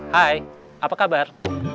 hai apa kabar